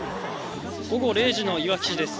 午後０時のいわき市です。